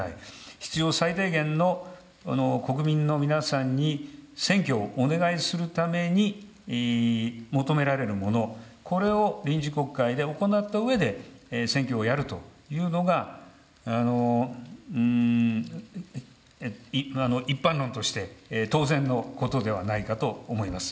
必要最低限の国民の皆さんに選挙をお願いするために求められるもの、これを臨時国会で行ったうえで、選挙をやるというのが、一般論として当然のことではないかと思います。